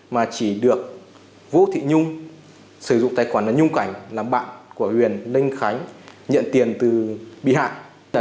mà chỉ được vũ thị nhung sử dụng tài khoản là nhung cảnh làm bạn của huyền linh khánh nhận tiền từ bị hại